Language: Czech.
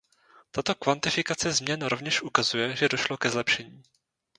Tato kvantifikace změn rovněž ukazuje, že došlo ke zlepšení.